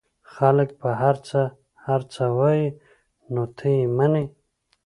خلک به هرڅه هرڅه وايي نو ته يې منې؟